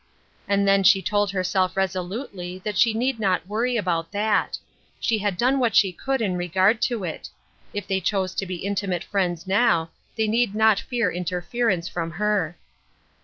And then she told herself resolutely that she need not worry about that ; she had done what she could in regard to it ; if they chose to be intimate friends now, they need not fear inter ference from her.